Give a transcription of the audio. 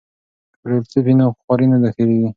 که بریالیتوب وي نو خواري نه هېریږي.